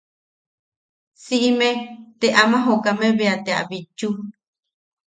Siʼime te ama jokame bea te a bitchu.